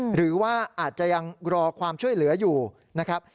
หรือว่าอาจจะยังรอความช่วยเหลืออยู่นะครับ